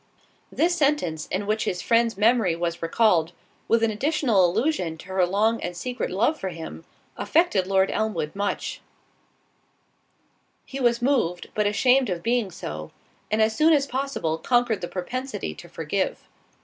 This sentence, in which his friend's memory was recalled, with an additional allusion to her long and secret love for him, affected Lord Elmwood much—he was moved, but ashamed of being so, and as soon as possible conquered the propensity to forgive.